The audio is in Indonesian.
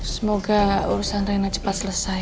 semoga urusan renat cepat selesai